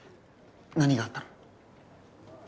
何があったの？